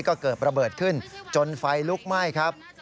ก็เกิดระเบิดขึ้นจนไฟลุกไหม้ครับ